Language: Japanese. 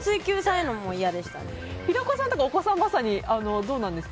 平子さんはお子さんまさにどうなんですか？